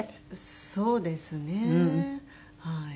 そうですねはい。